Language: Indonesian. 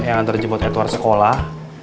yang anter jemput edward sekolah